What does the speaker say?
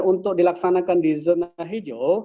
untuk dilaksanakan di zona hijau